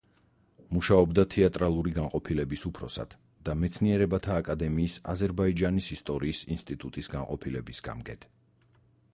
მუშაობდა თეატრალური განყოფილების უფროსად და მეცნიერებათა აკადემიის აზერბაიჯანის ისტორიის ინსტიტუტის განყოფილების გამგედ.